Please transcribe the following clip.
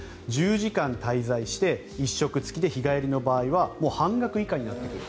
１０時間滞在して１食付きで日帰りの場合は半額以下になっていると。